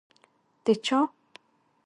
د چا؟